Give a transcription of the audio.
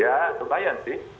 ya lumayan sih